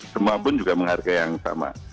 semuapun juga menghargai yang sama